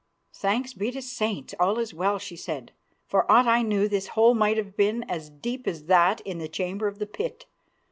"Thanks be the saints, all is well," she said. "For aught I knew this hole might have been as deep as that in the Chamber of the Pit.